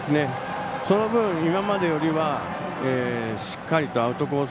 その分、今までよりはしっかりとアウトコース